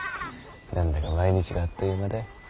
何だか毎日があっという間だい。